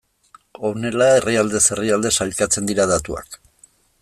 Honela herrialdez herrialde sailkatzen dira datuak.